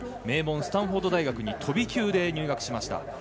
名門スタンフォード大学に飛び級で入学しました。